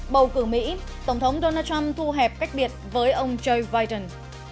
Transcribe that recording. bầu cử mỹ tổng thống donald trump thu hẹp cách biệt với ông joe biden